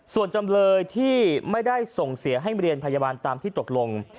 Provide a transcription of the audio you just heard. ส่วนจำเลยที่ไม่ได้ส่งเสียให้เรียนพยาบาลตามที่ตกลง